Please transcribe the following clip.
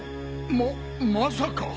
ままさか。